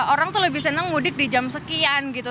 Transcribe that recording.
orang tuh lebih senang mudik di jam sekian gitu